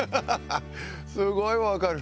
すごい分かる。